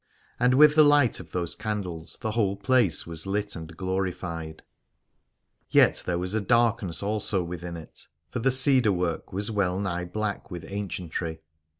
And with the light of those candles the whole place was lit and glorified : yet there was a dark ness also within it, for the cec^ar work was wellnigh black with ancientry.